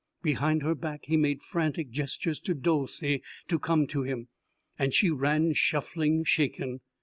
Behind her back he made frantic gestures to Dolcey to come to him, and she ran, shuffling, shaken.